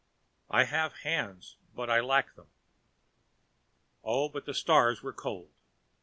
I have hands, but I lack them. Oh, but the stars were cold!